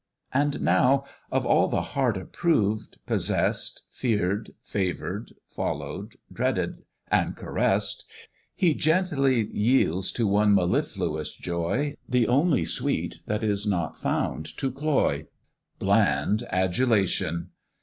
And now, of all the heart approved, possess'd, Fear'd, favour'd, follow'd, dreaded, and caress'd, He gently yields to one mellifluous joy, The only sweet that is not found to cloy, Bland adulation!